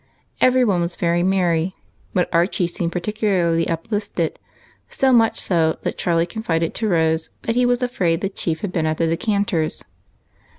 Every one was very merry, but Archie seemed particularly uplifted, — so much so, that Charlie confided to Rose that he was afraid the Chief had been at the decanters.